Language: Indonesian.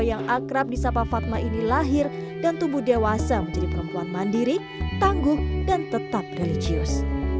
yang akrab di sapa fatma ini lahir dan tubuh dewasa menjadi perempuan mandiri tangguh dan tetap religius